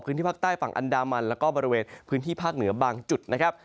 ภาคใต้ฝั่งอันดามันแล้วก็บริเวณพื้นที่ภาคเหนือบางจุดนะครับ